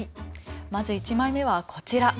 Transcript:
まず１枚目はこちら。